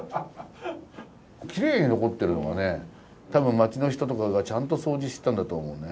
きれいに残ってるのがね多分町の人とかがちゃんと掃除してたんだと思うね。